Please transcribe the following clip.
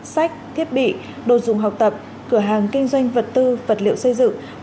sách thiết bị đồ dùng học tập cửa hàng kinh doanh vật tư vật liệu xây dựng